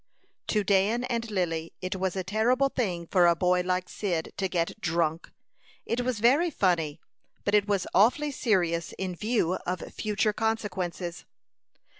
To Dan and Lily it was a terrible thing for a boy like Cyd to get drunk. It was very funny, but it was awfully serious in view of future consequences.